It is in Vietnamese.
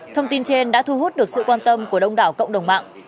thông tin trên đã thu hút được sự quan tâm của đông đảo cộng đồng mạng